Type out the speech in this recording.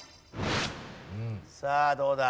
さあどうだ？